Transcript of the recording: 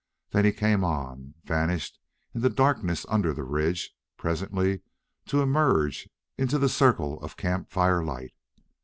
Then he came on, vanished in the darkness under the ridge, presently to emerge into the circle of camp fire light.